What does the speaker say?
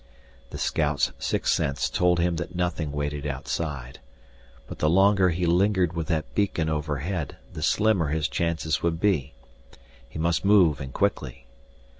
The scout's sixth sense told him that nothing waited outside. But the longer he lingered with that beacon overhead the slimmer his chances would be. He must move and quickly.